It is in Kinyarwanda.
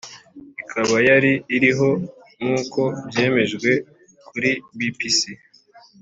ikaba yari iriho nk' uko byemejwe kuri bbc